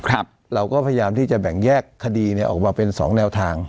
เราก็พยายามที่จะแบ่งแยกคดีเนี่ยออกมาเป็นสองแนวทาง